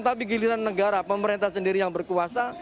tapi giliran negara pemerintah sendiri yang berkuasa